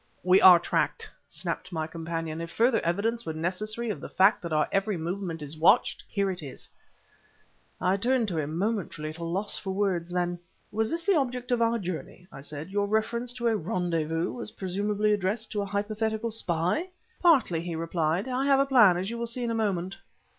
"We are tracked!" snapped my companion. "If further evidence were necessary of the fact that our every movement is watched, here it is!" I turned to him, momentarily at a loss for words; then "Was this the object of our journey?" I said. "Your reference to a 'rendezvous' was presumably addressed to a hypothetical spy? "Partly," he replied. "I have a plan, as you will see in a moment."